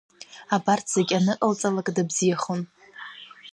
Абарҭ зегьы аныҟалҵалак дыбзиахон.